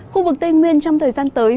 khu vực tây nguyên trong thời gian tới